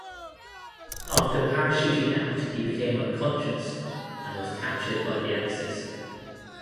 After parachuting out he became unconscious and was captured by the Axis.